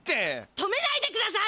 止めないでください！